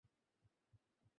রাজা নিরুত্তর হইয়া রহিলেন।